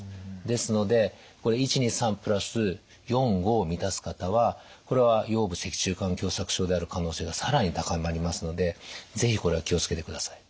ですので①②③プラス④⑤を満たす方はこれは腰部脊柱管狭窄症である可能性が更に高まりますので是非これは気を付けてください。